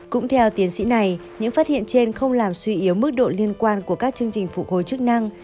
cũng theo tiến sĩ này những phát hiện trên không làm suy yếu mức độ liên quan của các chương trình phục hồi chức năng